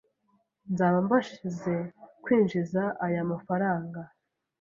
nzaba mbashije kwinjiza aya mafaranga,